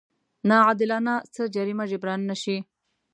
ناعادلانه څه جريمه جبران نه شي.